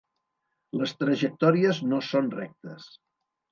Les trajectòries no són rectes.